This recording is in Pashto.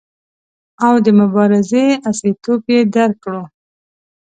او د مبارزې عصریتوب یې درک کړو.